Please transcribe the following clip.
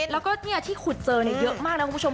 แล้วก็ที่ขุดเจอเยอะมากนะคุณผู้ชม